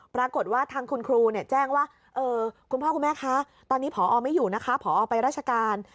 ปรากฏว่าทางคุณครูแจ้งว่าคุณพ่อคุณแม่คะตอนนี้ผอไม่อยู่นะคะผอไปราชการ